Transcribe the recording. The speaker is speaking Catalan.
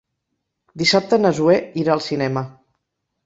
Dissabte na Zoè irà al cinema.